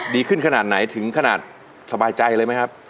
ดีขึ้นขนาดไหนถึงขนาดสบายใจเลยไหมครับ